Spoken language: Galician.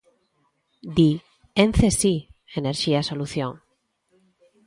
Di: Ence si, enerxía solución.